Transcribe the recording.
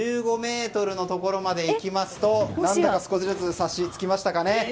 １５ｍのところまでいきますと何だか、少しずつ察しつきましたかね。